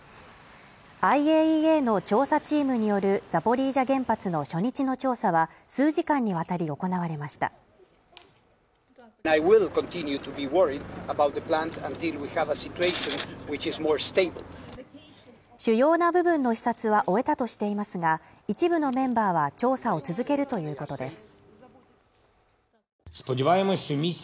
ＩＡＥＡの調査チームによるザポリージャ原発の初日の調査は数時間にわたり行われました主要な部分の視察は終えたとしていますが一部のメンバーは調査を続けるということです